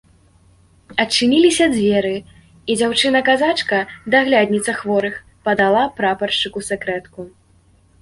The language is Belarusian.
Адчыніліся дзверы, і дзяўчына-казачка, дагляданніца хворых, падала прапаршчыку сэкрэтку.